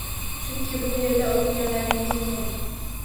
Chunki bu yerda o’qiganlaringiz muhim.